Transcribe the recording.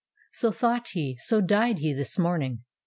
So thought he, so died he this morning.